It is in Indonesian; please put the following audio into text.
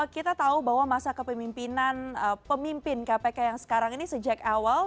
kita tahu bahwa masa kepemimpinan pemimpin kpk yang sekarang ini sejak awal